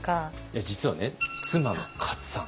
実はね妻のカツさん。